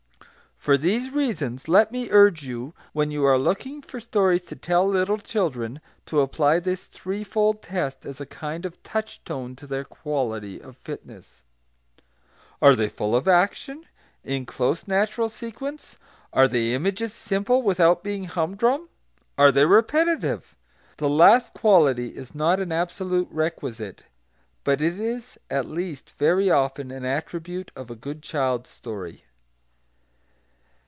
For these reasons let me urge you, when you are looking for stories to tell little children, to apply this threefold test as a kind of touchstone to their quality of fitness: Are they full of action, in close natural sequence? Are their images simple without being humdrum? Are they repetitive? The last quality is not an absolute requisite; but it is at least very often an attribute of a good child story.